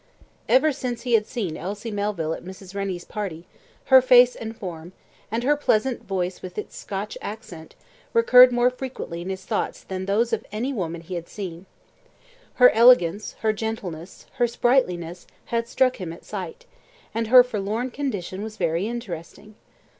Ever since he had seen Elsie Melville at Mrs. Rennie's party, her face and form, and her pleasant voice with its Scotch accent, recurred more frequently in his thoughts than those of any woman he had seen. Her elegance, her gentleness, her sprightliness, had struck him at sight, and her forlorn condition was very interesting.